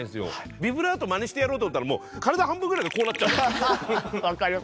ビブラートまねしてやろうと思ったらもう体半分ぐらいがこうなっちゃうんですよ。